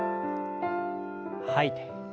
吐いて。